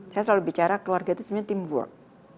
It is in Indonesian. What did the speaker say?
saya selalu bicara keluarga itu sebenarnya teamwork